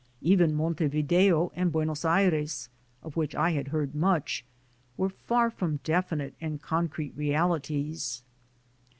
Even Montevideo and Buenos Ayres, of which I had heard much, were far from definite and concrete realities.